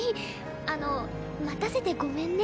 あの待たせてごめんね。